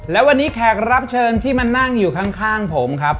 และวันนี้แขกรับเชิญที่มานั่งอยู่ข้างผมครับ